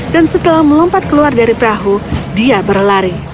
dan setelah melompat keluar dari perahu dia berlari